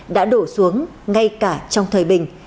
đã đổ xuống ngay cả trong thời bình